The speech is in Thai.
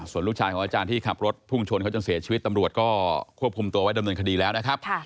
ส่วนลูกชายของอาจารย์ที่ขับรถพุ่งชนเขาจนเสียชีวิตตำรวจก็ควบคุมตัวไว้ดำเนินคดีแล้วนะครับ